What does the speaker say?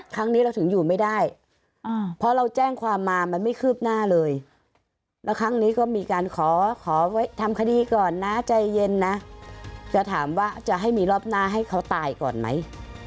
ครั้งนี้เราถึงอยู่ไม่ได้เพราะเราแจ้งความมามันไม่คืบหน้าเลยแล้วครั้งนี้ก็มีการขอขอทำคดีก่อนนะใจเย็นนะจะถามว่าจะให้มีรอบหน้าให้เขาตายก่อนไหม